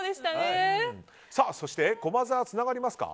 そして、駒沢につながりますか？